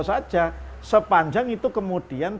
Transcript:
saja sepanjang itu kemudian